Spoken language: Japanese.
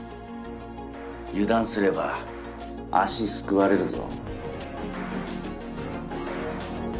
油断すれば足すくわれるぞ。